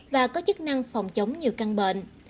và có chức năng phòng chống nhiều căn bệnh